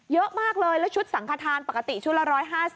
เยอะมากเลยแล้วชุดสังขทานปกติชุดละ๑๕๐